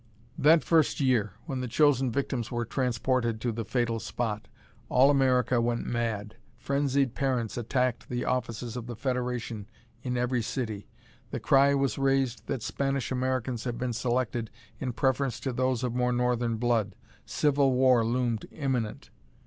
That first year, when the chosen victims were transported to the fatal spot, all America went mad. Frenzied parents attacked the offices of the Federation in every city. The cry was raised that Spanish Americans had been selected in preference to those of more northern blood. Civil war loomed imminent.